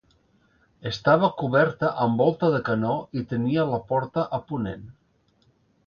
Estava coberta amb volta de canó i tenia la porta a ponent.